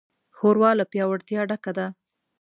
ښوروا له پیاوړتیا ډکه ده.